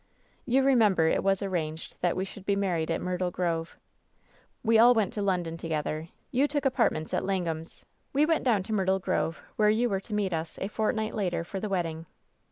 "You remember it^as arranged that we should be married at Myrtle Grove. "We all went to London together. You took apart ments at Langham's. We went down to Myrtle Grove, where you were to meet us, a fortnight later, for the wedding.